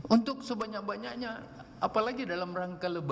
untuk sebanyak banyaknya apalagi dalam rangka lebih